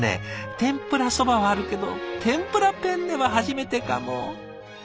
天ぷらそばはあるけど天ぷらペンネは初めてかも。